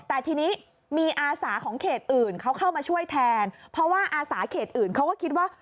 แต่ทีนี้มีอาสาของเขตอื่นเขาเข้ามาช่วยแทนเพราะว่าอาสาเขตอื่นเขาก็คิดว่า